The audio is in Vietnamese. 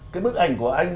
cái bức ảnh của anh